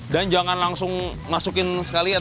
dan jangan langsung masukin sekalian